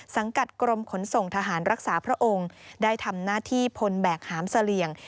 สังกัดกรมขนส่งทหารรักษาพระองค์ได้ทำหน้าที่พลแบกหามเสลี่ยง